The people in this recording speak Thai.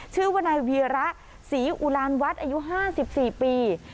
ชื่อว่านายเวียระศรีอุราณวัดอายุห้าสิบสี่ปี